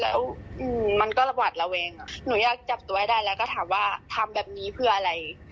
แล้วมันก็ระหวัดระแวงหนูอยากจับตัวให้ได้แล้วก็ถามว่าทำแบบนี้เพื่ออะไร